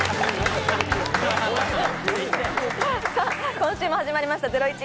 今週も始まりました『ゼロイチ』。